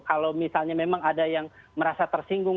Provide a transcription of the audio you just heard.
kalau misalnya memang ada yang merasa tersinggung